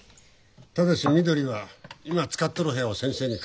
ただしみどりは今使っとる部屋を先生に返すこと。